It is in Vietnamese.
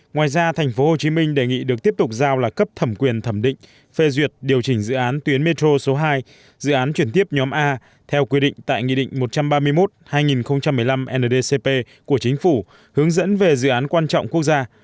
ngoài ra tp hcm đề nghị được tiếp tục giao là cấp thẩm quyền thẩm định phê duyệt điều chỉnh dự án tuyến metro số hai dự án chuyển tiếp nhóm a theo quy định tại nghị định một trăm ba mươi một hai nghìn một mươi năm ndcp của chính phủ hướng dẫn về dự án quan trọng quốc gia